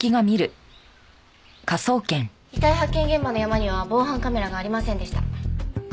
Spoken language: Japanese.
遺体発見現場の山には防犯カメラがありませんでした。